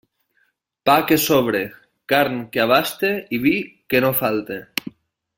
Pa que sobre, carn que abaste i vi que no falte.